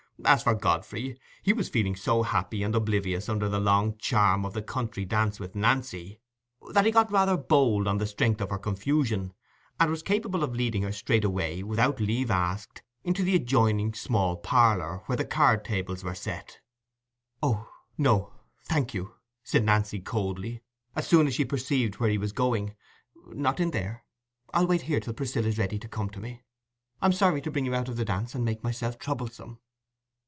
As for Godfrey, he was feeling so happy and oblivious under the long charm of the country dance with Nancy, that he got rather bold on the strength of her confusion, and was capable of leading her straight away, without leave asked, into the adjoining small parlour, where the card tables were set. "Oh no, thank you," said Nancy, coldly, as soon as she perceived where he was going, "not in there. I'll wait here till Priscilla's ready to come to me. I'm sorry to bring you out of the dance and make myself troublesome."